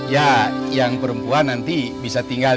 ya yang perempuan nanti bisa tinggal